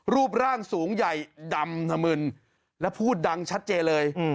รูปร่างสูงใหญ่ดำถมึนและพูดดังชัดเจนเลย